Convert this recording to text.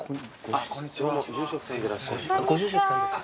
ご住職さんですか？